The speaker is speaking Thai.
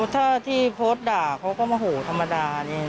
ถ้าที่โพสต์ด่าเขาก็โมโหธรรมดานี่